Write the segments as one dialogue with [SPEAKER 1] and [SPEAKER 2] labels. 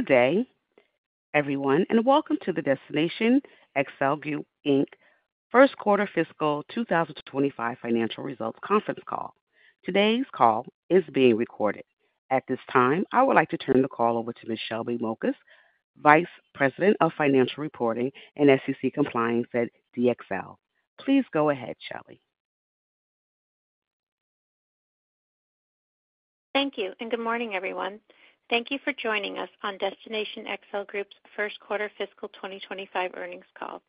[SPEAKER 1] Good day, everyone, and welcome to the Destination XL Group first quarter fiscal 2025 financial results conference call. Today's call is being recorded. At this time, I would like to turn the call over to Ms. Shelby Mokas, Vice President of Financial Reporting and SEC Compliance at DXL. Please go ahead, Shelby.
[SPEAKER 2] Thank you, and good morning, everyone. Thank you for joining us on Destination XL Group's first quarter fiscal 2025 earnings call.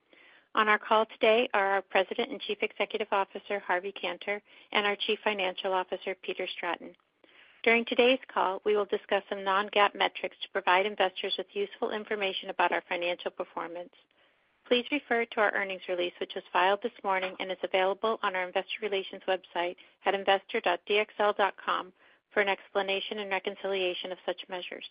[SPEAKER 2] On our call today are our President and Chief Executive Officer, Harvey Kanter, and our Chief Financial Officer, Peter Stratton. During today's call, we will discuss some Non-GAAP metrics to provide investors with useful information about our financial performance. Please refer to our earnings release, which was filed this morning and is available on our investor relations website at investor.dxl.com for an explanation and reconciliation of such measures.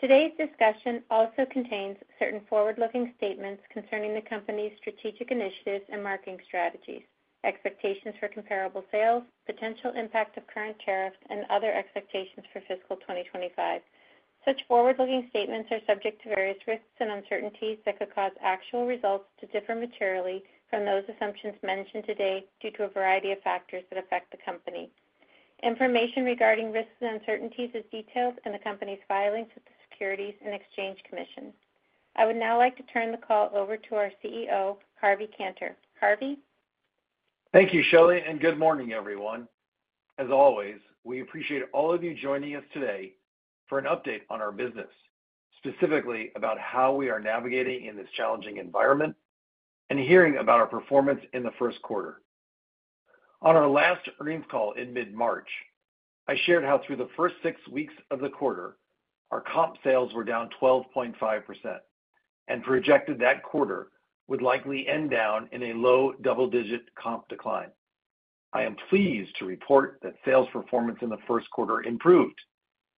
[SPEAKER 2] Today's discussion also contains certain forward-looking statements concerning the company's strategic initiatives and marketing strategies, expectations for comparable sales, potential impact of current tariffs, and other expectations for fiscal 2025. Such forward-looking statements are subject to various risks and uncertainties that could cause actual results to differ materially from those assumptions mentioned today due to a variety of factors that affect the company. Information regarding risks and uncertainties is detailed in the company's filings with the Securities and Exchange Commission. I would now like to turn the call over to our CEO, Harvey Kanter. Harvey.
[SPEAKER 3] Thank you, Shelly, and good morning, everyone. As always, we appreciate all of you joining us today for an update on our business, specifically about how we are navigating in this challenging environment and hearing about our performance in the first quarter. On our last earnings call in mid-March, I shared how through the first six weeks of the quarter, our comp sales were down 12.5% and projected that quarter would likely end down in a low double-digit comp decline. I am pleased to report that sales performance in the first quarter improved,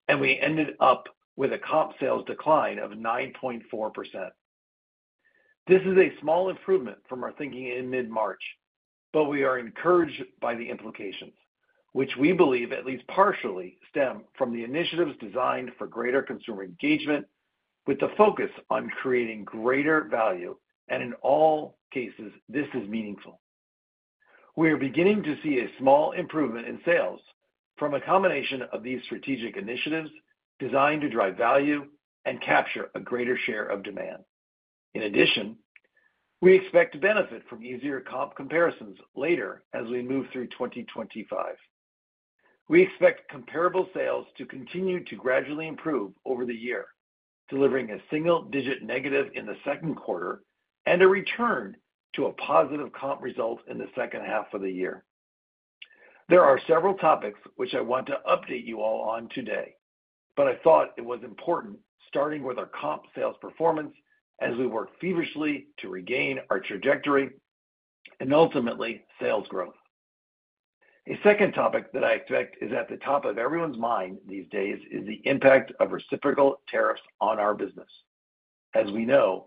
[SPEAKER 3] and we ended up with a comp sales decline of 9.4%. This is a small improvement from our thinking in mid-March, but we are encouraged by the implications, which we believe at least partially stem from the initiatives designed for greater consumer engagement with the focus on creating greater value, and in all cases, this is meaningful. We are beginning to see a small improvement in sales from a combination of these strategic initiatives designed to drive value and capture a greater share of demand. In addition, we expect to benefit from easier comp comparisons later as we move through 2025. We expect comparable sales to continue to gradually improve over the year, delivering a single-digit negative in the second quarter and a return to a positive comp result in the second half of the year. There are several topics which I want to update you all on today, but I thought it was important starting with our comp sales performance as we work feverishly to regain our trajectory and ultimately sales growth. A second topic that I expect is at the top of everyone's mind these days is the impact of reciprocal tariffs on our business. As we know,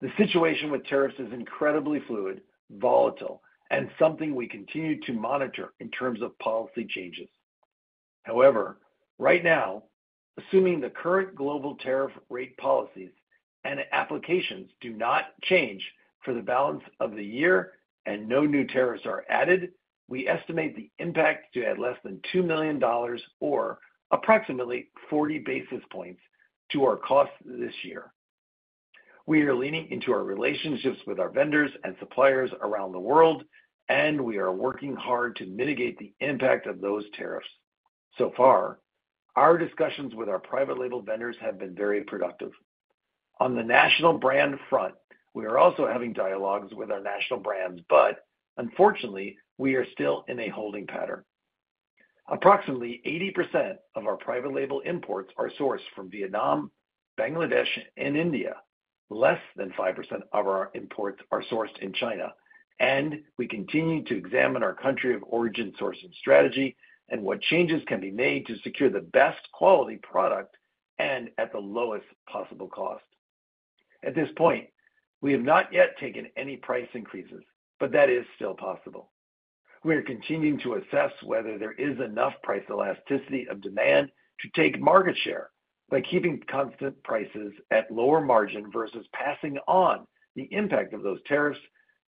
[SPEAKER 3] the situation with tariffs is incredibly fluid, volatile, and something we continue to monitor in terms of policy changes. However, right now, assuming the current global tariff rate policies and applications do not change for the balance of the year and no new tariffs are added, we estimate the impact to add less than $2 million or approximately 40 basis points to our costs this year. We are leaning into our relationships with our vendors and suppliers around the world, and we are working hard to mitigate the impact of those tariffs. So far, our discussions with our private label vendors have been very productive. On the national brand front, we are also having dialogues with our national brands, but unfortunately, we are still in a holding pattern. Approximately 80% of our private label imports are sourced from Vietnam, Bangladesh, and India. Less than 5% of our imports are sourced in China, and we continue to examine our country of origin sourcing strategy and what changes can be made to secure the best quality product and at the lowest possible cost. At this point, we have not yet taken any price increases, but that is still possible. We are continuing to assess whether there is enough price elasticity of demand to take market share by keeping constant prices at lower margin versus passing on the impact of those tariffs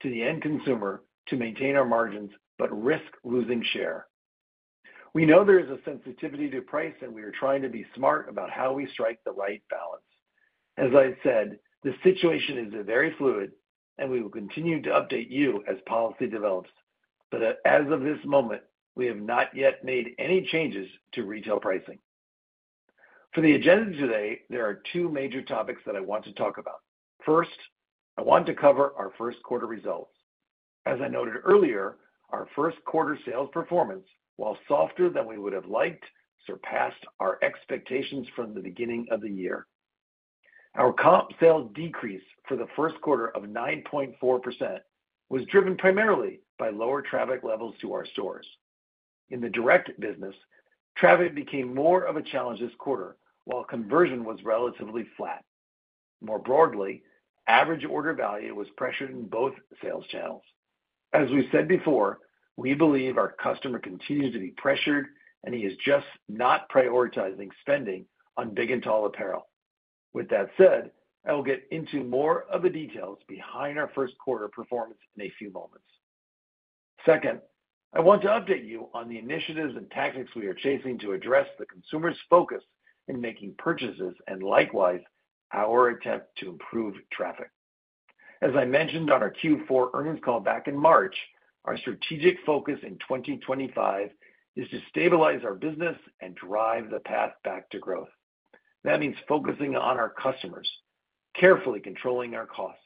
[SPEAKER 3] to the end consumer to maintain our margins but risk losing share. We know there is a sensitivity to price, and we are trying to be smart about how we strike the right balance. As I said, the situation is very fluid, and we will continue to update you as policy develops, but as of this moment, we have not yet made any changes to retail pricing. For the agenda today, there are two major topics that I want to talk about. First, I want to cover our first quarter results. As I noted earlier, our first quarter sales performance, while softer than we would have liked, surpassed our expectations from the beginning of the year. Our comp sales decrease for the first quarter of 9.4% was driven primarily by lower traffic levels to our stores. In the direct business, traffic became more of a challenge this quarter, while conversion was relatively flat. More broadly, average order value was pressured in both sales channels. As we said before, we believe our customer continues to be pressured, and he is just not prioritizing spending on big and tall apparel. With that said, I will get into more of the details behind our first quarter performance in a few moments. Second, I want to update you on the initiatives and tactics we are chasing to address the consumer's focus in making purchases and likewise our attempt to improve traffic. As I mentioned on our Q4 earnings call back in March, our strategic focus in 2025 is to stabilize our business and drive the path back to growth. That means focusing on our customers, carefully controlling our costs,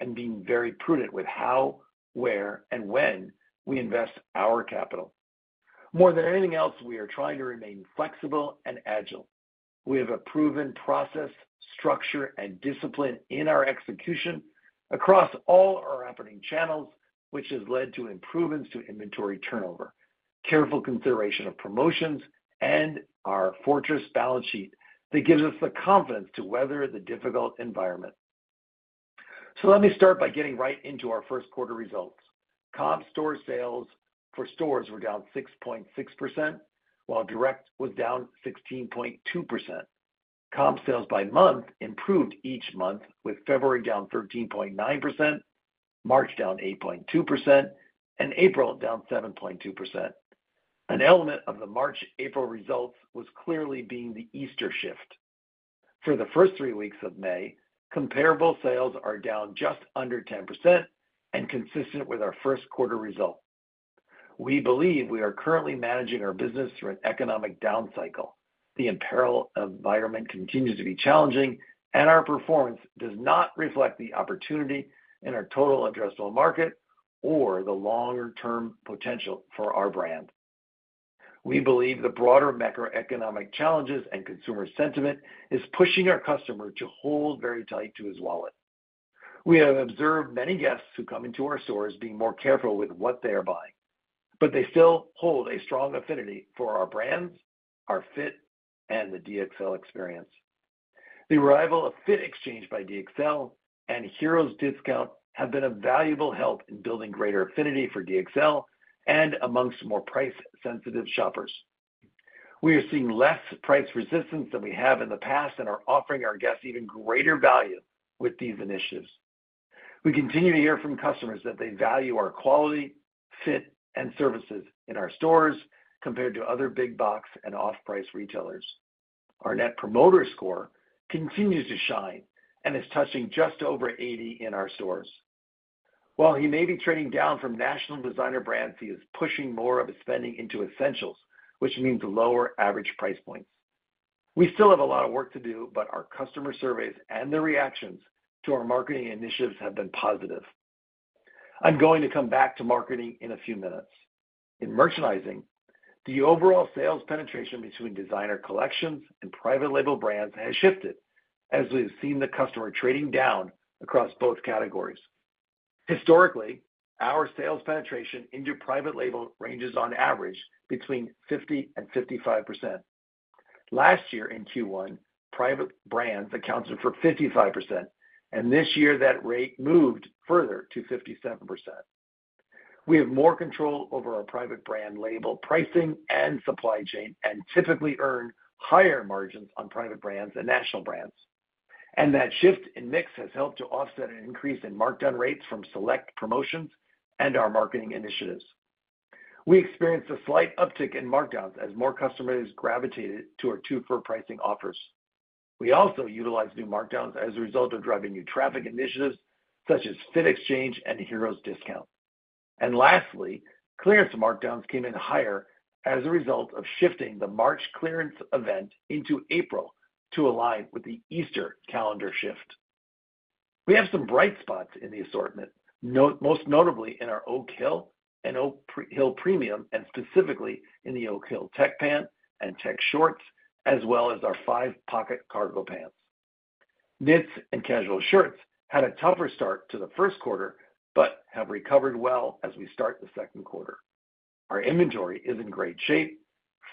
[SPEAKER 3] and being very prudent with how, where, and when we invest our capital. More than anything else, we are trying to remain flexible and agile. We have a proven process, structure, and discipline in our execution across all our operating channels, which has led to improvements to inventory turnover, careful consideration of promotions, and our fortress balance sheet that gives us the confidence to weather the difficult environment. Let me start by getting right into our first quarter results. Comp store sales for stores were down 6.6%, while direct was down 16.2%. Comp sales by month improved each month, with February down 13.9%, March down 8.2%, and April down 7.2%. An element of the March-April results was clearly being the Easter shift. For the first three weeks of May, comparable sales are down just under 10% and consistent with our first quarter result. We believe we are currently managing our business through an economic down cycle. The apparel environment continues to be challenging, and our performance does not reflect the opportunity in our total addressable market or the longer-term potential for our brand. We believe the broader macroeconomic challenges and consumer sentiment are pushing our customer to hold very tight to his wallet. We have observed many guests who come into our stores being more careful with what they are buying, but they still hold a strong affinity for our brands, our fit, and the DXL experience. The arrival of Fit Exchange by DXL and Heroes Discount have been a valuable help in building greater affinity for DXL and amongst more price-sensitive shoppers. We are seeing less price resistance than we have in the past and are offering our guests even greater value with these initiatives. We continue to hear from customers that they value our quality, fit, and services in our stores compared to other big box and off-price retailers. Our net promoter score continues to shine and is touching just over 80 in our stores. While he may be trading down from national designer brands, he is pushing more of his spending into essentials, which means lower average price points. We still have a lot of work to do, but our customer surveys and the reactions to our marketing initiatives have been positive. I'm going to come back to marketing in a few minutes. In merchandising, the overall sales penetration between designer collections and private label brands has shifted as we have seen the customer trading down across both categories. Historically, our sales penetration into private label ranges on average between 50% and 55%. Last year in Q1, private brands accounted for 55%, and this year that rate moved further to 57%. We have more control over our private brand label pricing and supply chain and typically earn higher margins on private brands than national brands. That shift in mix has helped to offset an increase in markdown rates from select promotions and our marketing initiatives. We experienced a slight uptick in markdowns as more customers gravitated to our two-four pricing offers. We also utilized new markdowns as a result of driving new traffic initiatives such as Fit Exchange and Heroes Discount. Lastly, clearance markdowns came in higher as a result of shifting the March clearance event into April to align with the Easter calendar shift. We have some bright spots in the assortment, most notably in our Oak Hill and Oak Hill Premium, and specifically in the Oak Hill Tech Pants and Tech Shorts, as well as our 5-Pocket Cargo Pants. Knits and casual shirts had a tougher start to the first quarter but have recovered well as we start the second quarter. Our inventory is in great shape.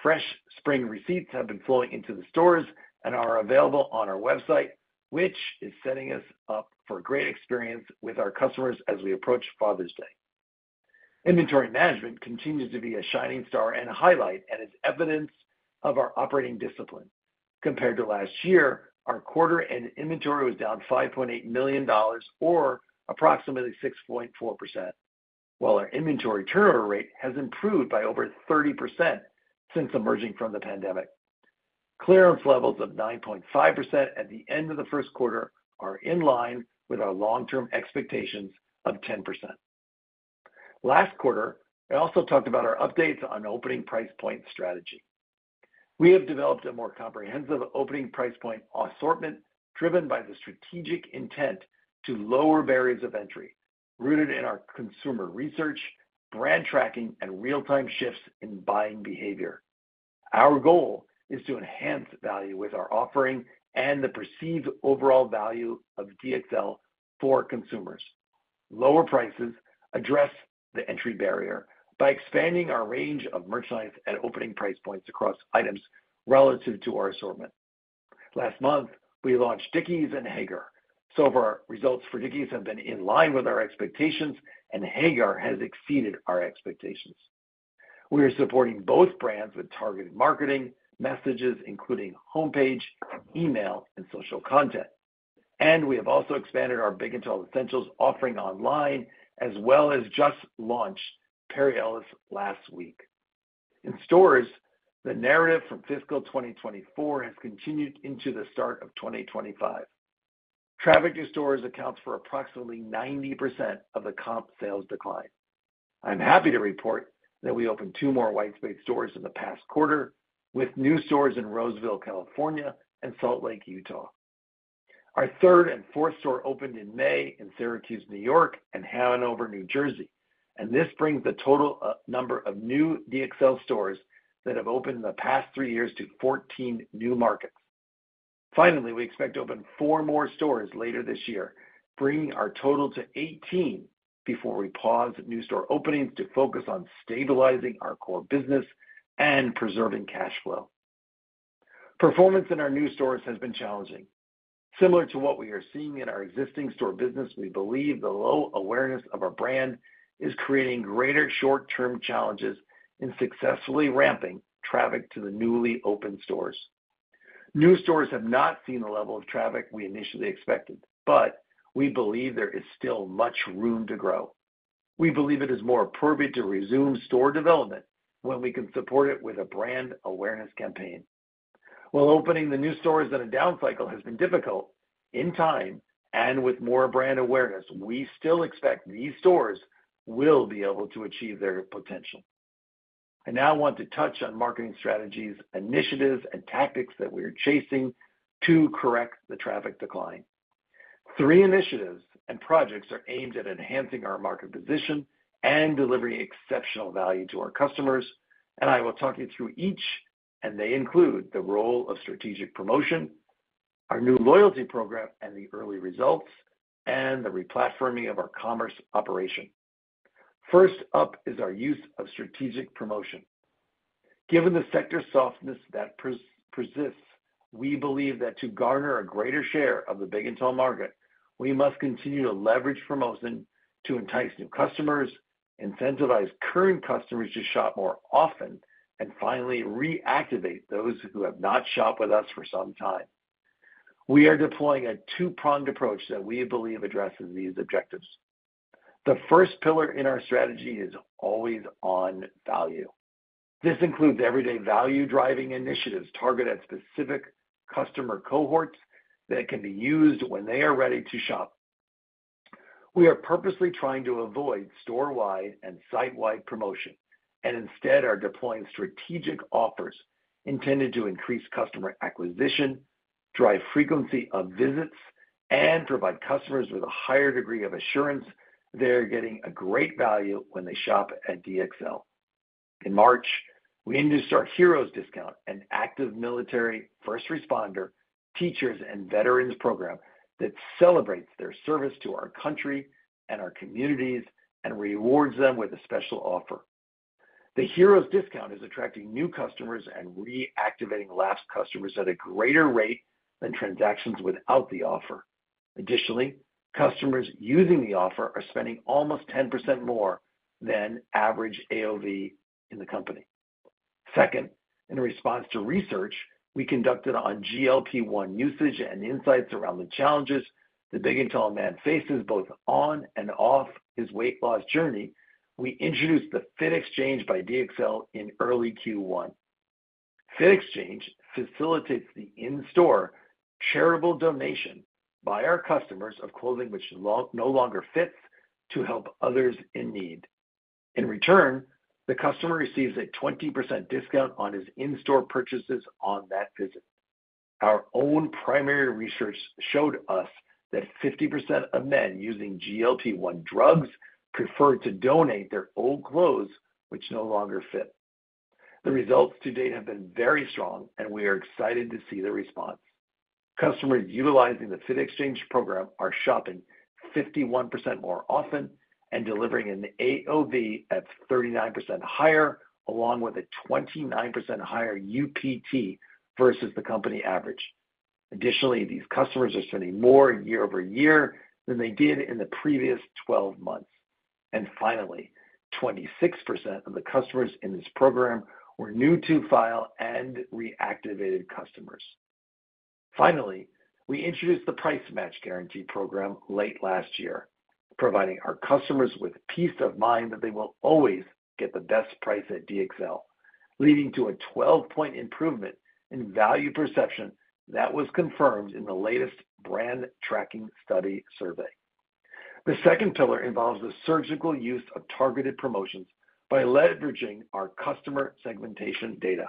[SPEAKER 3] Fresh spring receipts have been flowing into the stores and are available on our website, which is setting us up for a great experience with our customers as we approach Father's Day. Inventory management continues to be a shining star and a highlight and is evidence of our operating discipline. Compared to last year, our quarter-end inventory was down $5.8 million or approximately 6.4%, while our inventory turnover rate has improved by over 30% since emerging from the pandemic. Clearance levels of 9.5% at the end of the first quarter are in line with our long-term expectations of 10%. Last quarter, I also talked about our updates on opening price point strategy. We have developed a more comprehensive opening price point assortment driven by the strategic intent to lower barriers of entry rooted in our consumer research, brand tracking, and real-time shifts in buying behavior. Our goal is to enhance value with our offering and the perceived overall value of DXL for consumers. Lower prices address the entry barrier by expanding our range of merchandise and opening price points across items relative to our assortment. Last month, we launched Dickies and Hager. So far, results for Dickies have been in line with our expectations, and Hager has exceeded our expectations. We are supporting both brands with targeted marketing messages, including homepage, email, and social content. We have also expanded our big and tall essentials offering online, as well as just launched Perry Ellis last week. In stores, the narrative from fiscal 2024 has continued into the start of 2025. Traffic to stores accounts for approximately 90% of the comp sales decline. I'm happy to report that we opened two more white space stores in the past quarter with new stores in Roseville, California, and Salt Lake, Utah. Our third and fourth store opened in May in Syracuse, New York, and Hanover, New Jersey. This brings the total number of new DXL stores that have opened in the past three years to 14 new markets. Finally, we expect to open four more stores later this year, bringing our total to 18 before we pause new store openings to focus on stabilizing our core business and preserving cash flow. Performance in our new stores has been challenging. Similar to what we are seeing in our existing store business, we believe the low awareness of our brand is creating greater short-term challenges in successfully ramping traffic to the newly opened stores. New stores have not seen the level of traffic we initially expected, but we believe there is still much room to grow. We believe it is more appropriate to resume store development when we can support it with a brand awareness campaign. While opening the new stores in a down cycle has been difficult, in time and with more brand awareness, we still expect these stores will be able to achieve their potential. I now want to touch on marketing strategies, initiatives, and tactics that we are chasing to correct the traffic decline. Three initiatives and projects are aimed at enhancing our market position and delivering exceptional value to our customers. I will talk you through each, and they include the role of strategic promotion, our new loyalty program, and the early results and the replatforming of our commerce operation. First up is our use of strategic promotion. Given the sector softness that persists, we believe that to garner a greater share of the big and tall market, we must continue to leverage promotion to entice new customers, incentivize current customers to shop more often, and finally, reactivate those who have not shopped with us for some time. We are deploying a two-pronged approach that we believe addresses these objectives. The first pillar in our strategy is always on value. This includes everyday value-driving initiatives targeted at specific customer cohorts that can be used when they are ready to shop. We are purposely trying to avoid store-wide and site-wide promotion and instead are deploying strategic offers intended to increase customer acquisition, drive frequency of visits, and provide customers with a higher degree of assurance they're getting a great value when they shop at DXL. In March, we introduced our Heroes Discount, an active military, first responder, teachers, and veterans program that celebrates their service to our country and our communities and rewards them with a special offer. The Heroes Discount is attracting new customers and reactivating last customers at a greater rate than transactions without the offer. Additionally, customers using the offer are spending almost 10% more than average AOV in the company. Second, in response to research we conducted on GLP-1 usage and insights around the challenges the big and tall man faces both on and off his weight loss journey, we introduced the Fit Exchange by DXL in early Q1. Fit Exchange facilitates the in-store charitable donation by our customers of clothing which no longer fits to help others in need. In return, the customer receives a 20% discount on his in-store purchases on that visit. Our own primary research showed us that 50% of men using GLP-1 drugs prefer to donate their old clothes which no longer fit. The results to date have been very strong, and we are excited to see the response. Customers utilizing the Fit Exchange program are shopping 51% more often and delivering an AOV of 39% higher, along with a 29% higher UPT versus the company average. Additionally, these customers are spending more year-over-year than they did in the previous 12 months. Finally, 26% of the customers in this program were new-to-file and reactivated customers. Finally, we introduced the Price Match Guarantee program late last year, providing our customers with peace of mind that they will always get the best price at DXL, leading to a 12-point improvement in value perception that was confirmed in the latest brand tracking study survey. The second pillar involves the surgical use of targeted promotions by leveraging our customer segmentation data.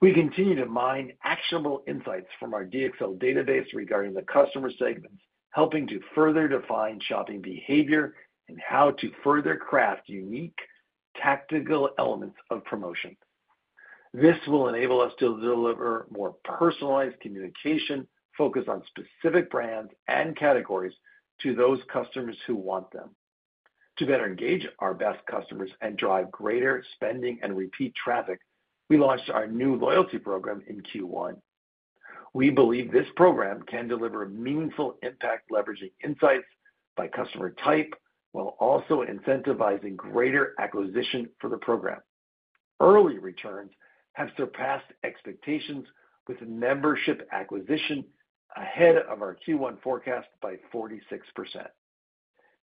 [SPEAKER 3] We continue to mine actionable insights from our DXL database regarding the customer segments, helping to further define shopping behavior and how to further craft unique tactical elements of promotion. This will enable us to deliver more personalized communication focused on specific brands and categories to those customers who want them. To better engage our best customers and drive greater spending and repeat traffic, we launched our new loyalty program in Q1. We believe this program can deliver meaningful impact leveraging insights by customer type while also incentivizing greater acquisition for the program. Early returns have surpassed expectations with membership acquisition ahead of our Q1 forecast by 46%.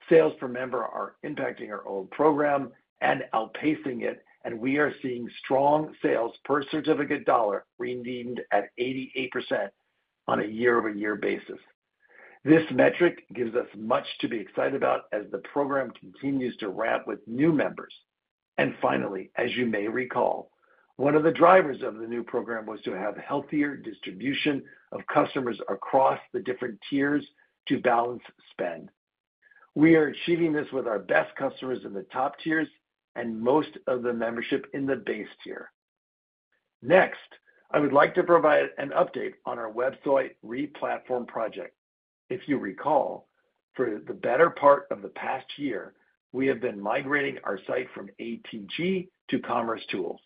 [SPEAKER 3] Sales per member are impacting our old program and outpacing it, and we are seeing strong sales per certificate dollar redeemed at 88% on a year-over-year basis. This metric gives us much to be excited about as the program continues to wrap with new members. Finally, as you may recall, one of the drivers of the new program was to have healthier distribution of customers across the different tiers to balance spend. We are achieving this with our best customers in the top tiers and most of the membership in the base tier. Next, I would like to provide an update on our website replatform project. If you recall, for the better part of the past year, we have been migrating our site from ATG to commercetools.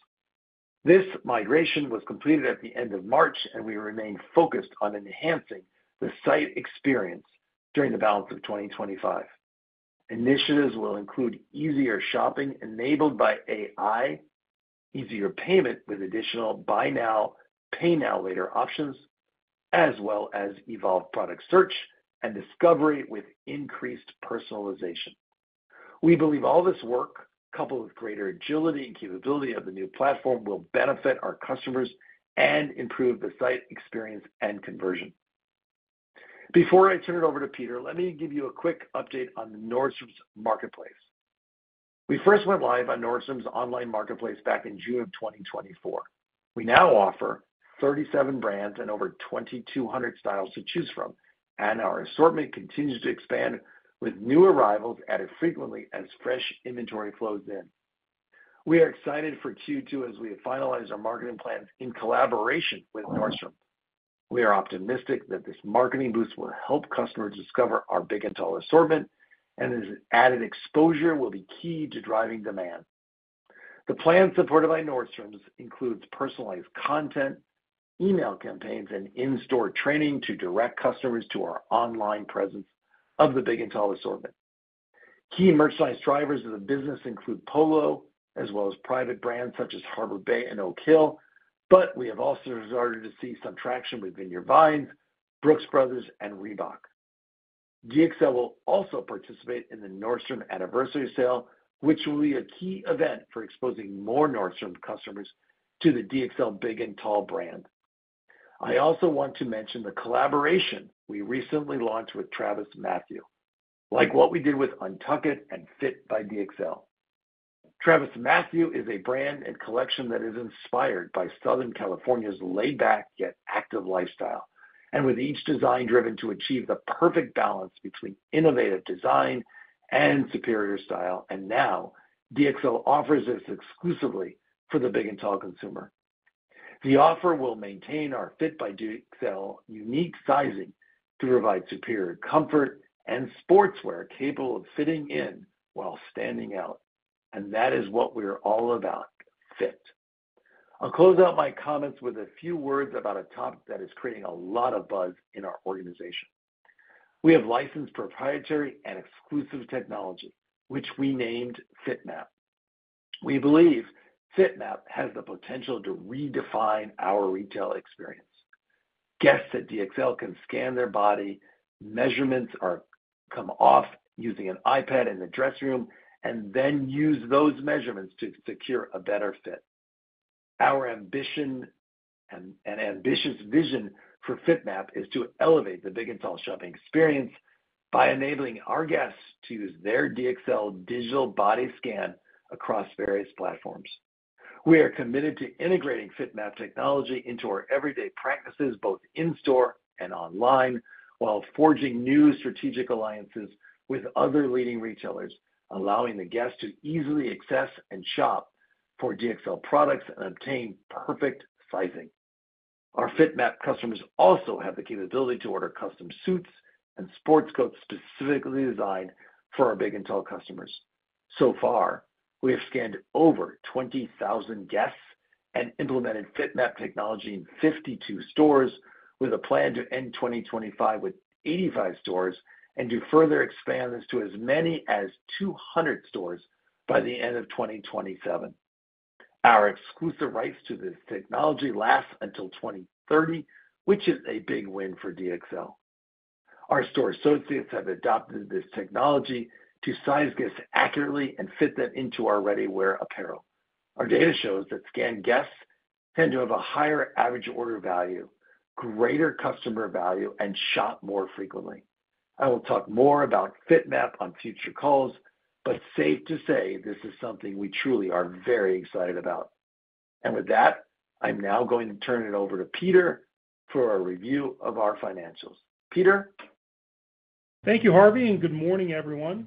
[SPEAKER 3] This migration was completed at the end of March, and we remain focused on enhancing the site experience during the balance of 2025. Initiatives will include easier shopping enabled by AI, easier payment with additional buy now, pay now later options, as well as evolved product search and discovery with increased personalization. We believe all this work, coupled with greater agility and capability of the new platform, will benefit our customers and improve the site experience and conversion. Before I turn it over to Peter, let me give you a quick update on the Nordstrom Marketplace. We first went live on Nordstrom's online marketplace back in June of 2024. We now offer 37 brands and over 2,200 styles to choose from, and our assortment continues to expand with new arrivals added frequently as fresh inventory flows in. We are excited for Q2 as we have finalized our marketing plans in collaboration with Nordstrom. We are optimistic that this marketing boost will help customers discover our big and tall assortment, and this added exposure will be key to driving demand. The plan supported by Nordstrom includes personalized content, email campaigns, and in-store training to direct customers to our online presence of the big and tall assortment. Key merchandise drivers of the business include Polo, as well as private brands such as Harbor Bay and Oak Hill, but we have also started to see some traction with Vineyard Vines, Brooks Brothers, and Reebok. DXL will also participate in the Nordstrom Anniversary Sale, which will be a key event for exposing more Nordstrom customers to the DXL big and tall brand. I also want to mention the collaboration we recently launched with TravisMathew, like what we did with UNTUCKit and Fit by DXL. TravisMathew is a brand and collection that is inspired by Southern California's laid-back yet active lifestyle, and with each design driven to achieve the perfect balance between innovative design and superior style. Now, DXL offers this exclusively for the big and tall consumer. The offer will maintain our Fit by DXL unique sizing to provide superior comfort and sportswear capable of fitting in while standing out. That is what we're all about: fit. I'll close out my comments with a few words about a topic that is creating a lot of buzz in our organization. We have licensed proprietary and exclusive technology, which we named FiTMAP. We believe FiTMAP has the potential to redefine our retail experience. Guests at DXL can scan their body measurements, come off using an iPad in the dress room, and then use those measurements to secure a better fit. Our ambition and ambitious vision for FiTMAP is to elevate the big and tall shopping experience by enabling our guests to use their DXL digital body scan across various platforms. We are committed to integrating FiTMAP technology into our everyday practices, both in-store and online, while forging new strategic alliances with other leading retailers, allowing the guests to easily access and shop for DXL products and obtain perfect sizing. Our FiTMAP customers also have the capability to order custom suits and sports coats specifically designed for our big and tall customers. So far, we have scanned over 20,000 guests and implemented FiTMAP technology in 52 stores, with a plan to end 2025 with 85 stores and to further expand this to as many as 200 stores by the end of 2027. Our exclusive rights to this technology last until 2030, which is a big win for DXL. Our store associates have adopted this technology to size guests accurately and fit them into our ready-wear apparel. Our data shows that scanned guests tend to have a higher average order value, greater customer value, and shop more frequently. I will talk more about FiTMAP on future calls, but safe to say this is something we truly are very excited about. With that, I'm now going to turn it over to Peter for a review of our financials. Peter.
[SPEAKER 4] Thank you, Harvey, and good morning, everyone.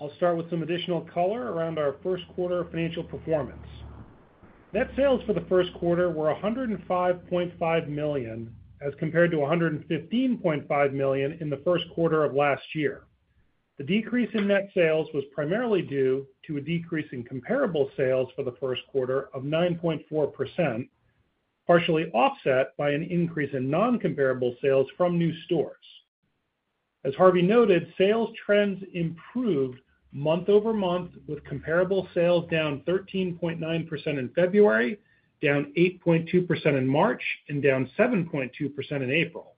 [SPEAKER 4] I'll start with some additional color around our first quarter financial performance. Net sales for the first quarter were $105.5 million as compared to $115.5 million in the first quarter of last year. The decrease in net sales was primarily due to a decrease in comparable sales for the first quarter of 9.4%, partially offset by an increase in non-comparable sales from new stores. As Harvey noted, sales trends improved month over month, with comparable sales down 13.9% in February, down 8.2% in March, and down 7.2% in April.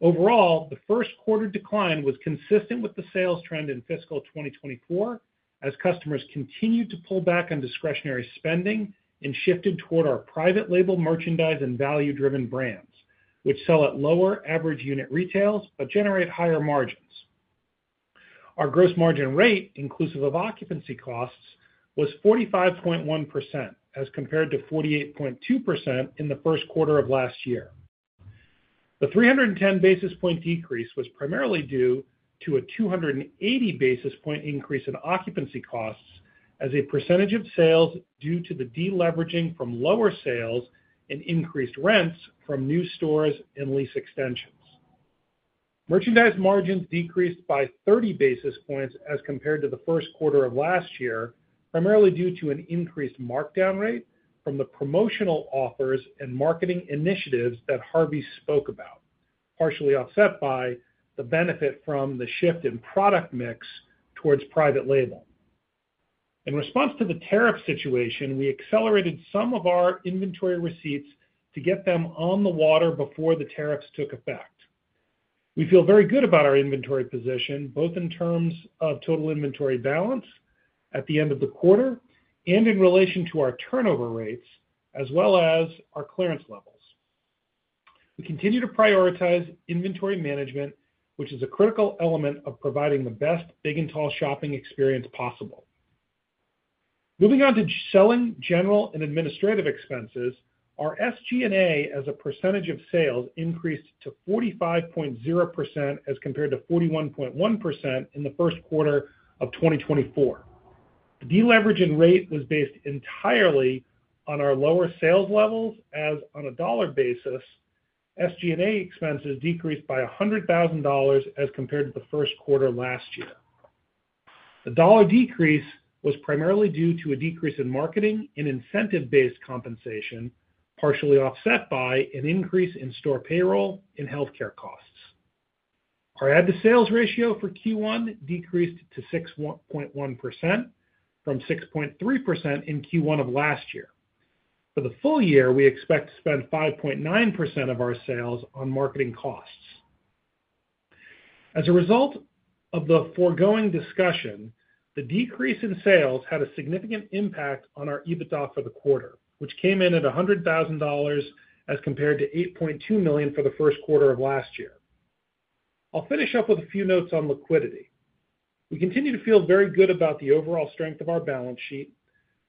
[SPEAKER 4] Overall, the first quarter decline was consistent with the sales trend in fiscal 2024, as customers continued to pull back on discretionary spending and shifted toward our private label merchandise and value-driven brands, which sell at lower average unit retails but generate higher margins. Our gross margin rate, inclusive of occupancy costs, was 45.1% as compared to 48.2% in the first quarter of last year. The 310 basis point decrease was primarily due to a 280 basis point increase in occupancy costs as a percentage of sales due to the deleveraging from lower sales and increased rents from new stores and lease extensions. Merchandise margins decreased by 30 basis points as compared to the first quarter of last year, primarily due to an increased markdown rate from the promotional offers and marketing initiatives that Harvey spoke about, partially offset by the benefit from the shift in product mix towards private label. In response to the tariff situation, we accelerated some of our inventory receipts to get them on the water before the tariffs took effect. We feel very good about our inventory position, both in terms of total inventory balance at the end of the quarter and in relation to our turnover rates, as well as our clearance levels. We continue to prioritize inventory management, which is a critical element of providing the best big and tall shopping experience possible. Moving on to selling general and administrative expenses, our SG&A as a percentage of sales increased to 45.0% as compared to 41.1% in the first quarter of 2024. The deleveraging rate was based entirely on our lower sales levels as on a dollar basis. SG&A expenses decreased by $100,000 as compared to the first quarter last year. The dollar decrease was primarily due to a decrease in marketing and incentive-based compensation, partially offset by an increase in store payroll and healthcare costs. Our add-to-sales ratio for Q1 decreased to 6.1% from 6.3% in Q1 of last year. For the full year, we expect to spend 5.9% of our sales on marketing costs. As a result of the foregoing discussion, the decrease in sales had a significant impact on our EBITDA for the quarter, which came in at $100,000 as compared to $8.2 million for the first quarter of last year. I'll finish up with a few notes on liquidity. We continue to feel very good about the overall strength of our balance sheet.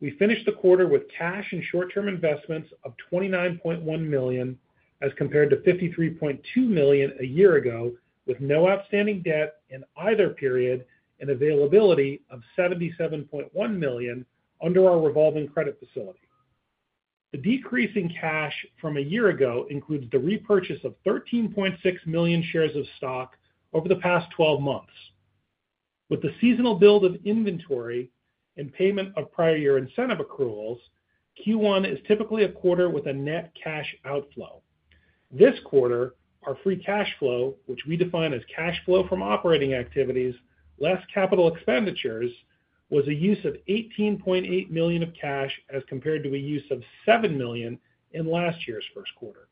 [SPEAKER 4] We finished the quarter with cash and short-term investments of $29.1 million as compared to $53.2 million a year ago, with no outstanding debt in either period and availability of $77.1 million under our revolving credit facility. The decrease in cash from a year ago includes the repurchase of $13.6 million shares of stock over the past 12 months. With the seasonal build of inventory and payment of prior year incentive accruals, Q1 is typically a quarter with a net cash outflow. This quarter, our free cash flow, which we define as cash flow from operating activities, less capital expenditures, was a use of $18.8 million of cash as compared to a use of $7 million in last year's first quarter.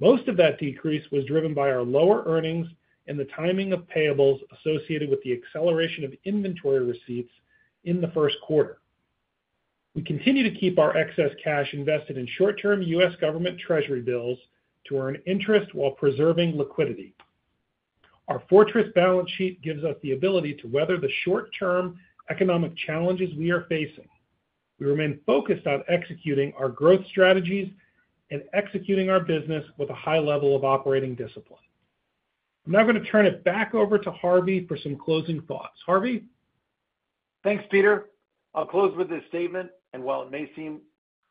[SPEAKER 4] Most of that decrease was driven by our lower earnings and the timing of payables associated with the acceleration of inventory receipts in the first quarter. We continue to keep our excess cash invested in short-term U.S. government treasury bills to earn interest while preserving liquidity. Our fortress balance sheet gives us the ability to weather the short-term economic challenges we are facing. We remain focused on executing our growth strategies and executing our business with a high level of operating discipline. I'm now going to turn it back over to Harvey for some closing thoughts. Harvey.
[SPEAKER 3] Thanks, Peter. I'll close with this statement, and while it may seem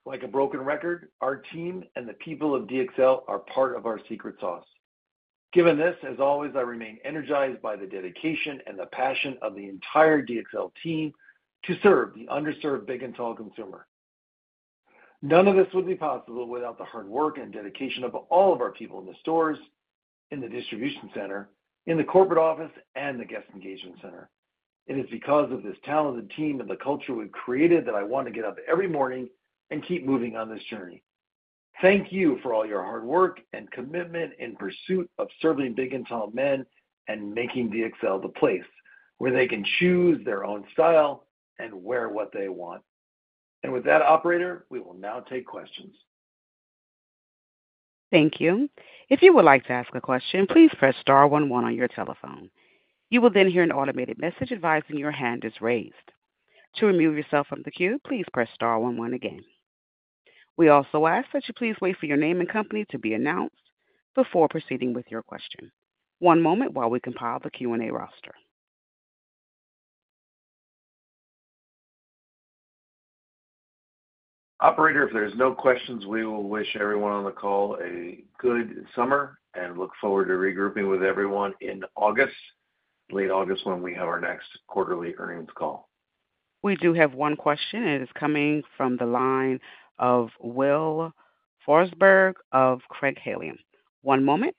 [SPEAKER 3] like a broken record, our team and the people of DXL are part of our secret sauce. Given this, as always, I remain energized by the dedication and the passion of the entire DXL team to serve the underserved big and tall consumer. None of this would be possible without the hard work and dedication of all of our people in the stores, in the distribution center, in the corporate office, and the guest engagement center. It is because of this talented team and the culture we have created that I want to get up every morning and keep moving on this journey. Thank you for all your hard work and commitment in pursuit of serving big and tall men and making DXL the place where they can choose their own style and wear what they want. With that, operator, we will now take questions.
[SPEAKER 1] Thank you. If you would like to ask a question, please press star one one on your telephone. You will then hear an automated message advising your hand is raised. To remove yourself from the queue, please press star one one again. We also ask that you please wait for your name and company to be announced before proceeding with your question. One moment while we compile the Q&A roster.
[SPEAKER 3] Operator, if there are no questions, we will wish everyone on the call a good summer and look forward to regrouping with everyone in August, late August, when we have our next quarterly earnings call.
[SPEAKER 1] We do have one question. It is coming from the line of Will Forsberg of Craig-Hallum. One moment.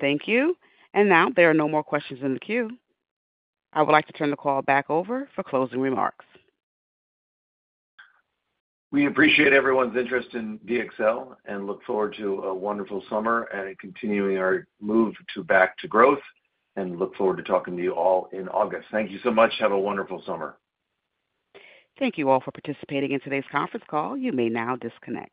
[SPEAKER 1] Thank you. Now there are no more questions in the queue. I would like to turn the call back over for closing remarks.
[SPEAKER 3] We appreciate everyone's interest in DXL and look forward to a wonderful summer and continuing our move back to growth and look forward to talking to you all in August. Thank you so much. Have a wonderful summer.
[SPEAKER 1] Thank you all for participating in today's conference call. You may now disconnect.